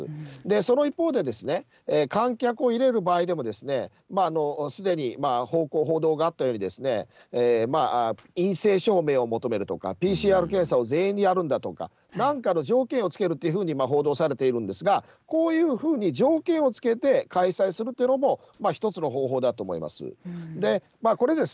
その一方で、観客を入れる場合でも、すでに報道があったように、陰性証明を求めるとか、ＰＣＲ検査を全員にやるんだとか、なんかの条件を付けるというふうに報道されているんですが、こういうふうに条件を付けて、開催するというのも、一つの方法だと思います。